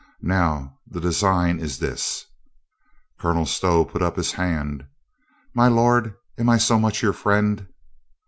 Now the design is this —" Colonel Stow put up his hand. "My lord, am I so much your friend?"